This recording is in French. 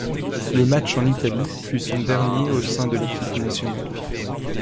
Le match en Italie fut son dernier au sein de l'équipe nationale.